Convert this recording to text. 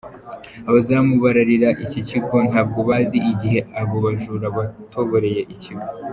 Abazamu bararira iki kigo ntabwo bazi igihe aba bajura batoboreye ikigo.